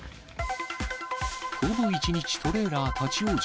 ほぼ１日トレーラー立往生。